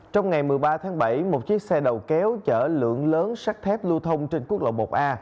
trong ngày một mươi ba tháng bảy một chiếc xe đầu kéo chở lượng lớn sắt thép lưu thông trên quốc lộ một a